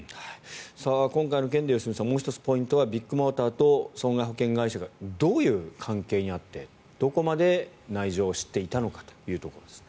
今回の件で、良純さんもう１つポイントはビッグモーターと損害保険会社がどういう関係にあってどこまで内情を知っていたのかというところですね。